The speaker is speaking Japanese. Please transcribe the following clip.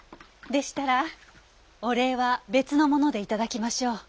でしたらお礼は別のもので頂きましょう。